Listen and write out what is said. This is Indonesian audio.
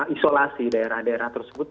isolasi daerah daerah tersebut